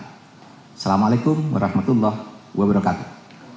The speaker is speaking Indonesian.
assalamualaikum warahmatullahi wabarakatuh